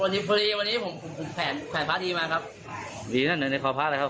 ทีฟฟุลีวันนี้ผมแผนแผนพาทีมาครับมีนั่นในคอพระอะไรครับ